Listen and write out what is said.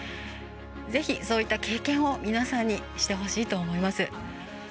ぜひ、そういった経験を皆さんにしてほしいと思います。